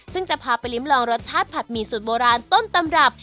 ซึ่งจะพาไปลิ้มลองรสชาติผัดหมี่สูตรโบราณต้นตำรับ